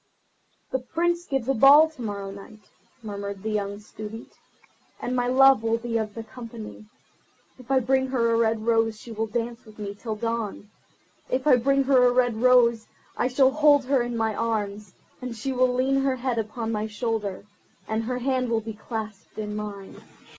"The Prince gives a ball to morrow night," murmured the young Student, "and my love will be of the company. If I bring her a red rose she will dance with me till dawn. If I bring her a red rose, I shall hold her in my arms, and she will lean her head upon my shoulder, and her hand will be clasped in mine.